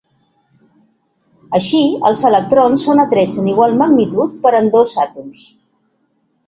Així, els electrons són atrets en igual magnitud per ambdós àtoms.